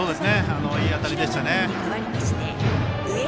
いい当たりでしたね。